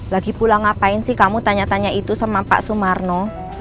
lagi pulang ngapain sih kamu tanya tanya itu sama pak sumarno